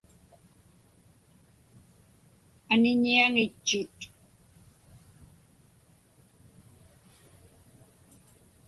Aniñiaŋitchut.